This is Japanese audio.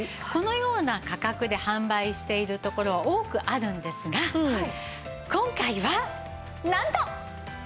このような価格で販売しているところは多くあるんですが今回はなんと！